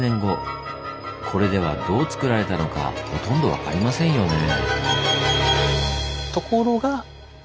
これではどうつくられたのかほとんど分かりませんよねぇ。